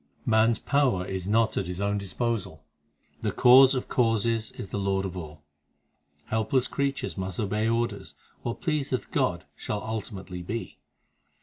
5 Man s power is not at his own disposal ; The Cause of causes is the Lord of all. Helpless creatures must obey orders ; What pleaseth God shall ultimately be.